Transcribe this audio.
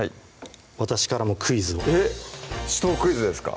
私からもクイズをえっ紫藤クイズですか？